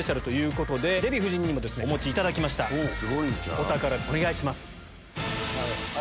お宝お願いします。